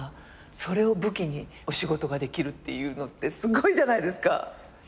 それを武器にお仕事ができるっていうのってすごいじゃないですか。